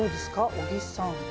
小木さん。